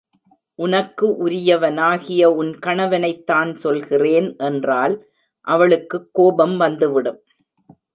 உனக்கு உரியவனாகிய உன் கணவனைத்தான் சொல்கிறேன் என்றால் அவளுக்குக் கோபம் வந்துவிடும்.